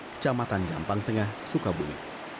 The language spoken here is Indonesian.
kecamatan jampang tengah sukabumi